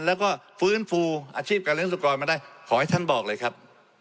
แล้วก็ฟื้นฟูอาชีพการเลี้ยสุกรมาได้ขอให้ท่านบอกเลยครับ